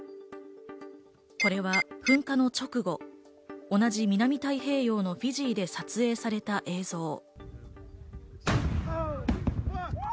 これは噴火の直後、同じ南太平洋のフィジーで撮影された映像。